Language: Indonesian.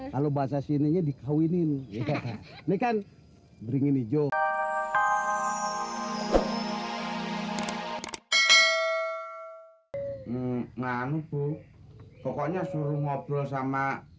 kalau bahasa sininya dikawinin ya kan ini kan beringin hijau nah bukanya suruh ngobrol sama